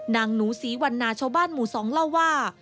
หนูศรีวันนาชาวบ้านหมู่๒เล่าว่า